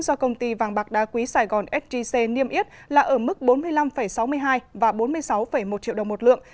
do công ty vàng bạc đá quý sài gòn sgc niêm yết là ở mức bốn mươi năm sáu mươi hai và bốn mươi sáu một triệu đồng một lượng